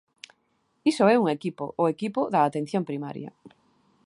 Iso é un equipo, o equipo da atención primaria.